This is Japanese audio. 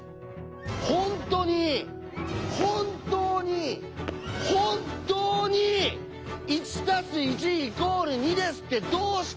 「本当に本当に本当に１＋１＝２です」ってどうして言えるんですか？